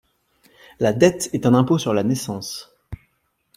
La dette est un impôt sur la naissance.